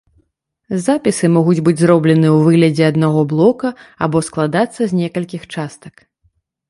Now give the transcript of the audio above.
Запісы могуць быць зробленыя ў выглядзе аднаго блока або складацца з некалькіх частак.